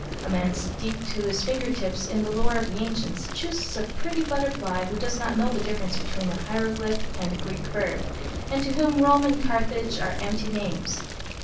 A man steeped to his finger tips in the lore of the ancients chooses a pretty butterfly who does not know the difference between a hieroglyph and a Greek verb, and to whom Rome and Carthage are empty names.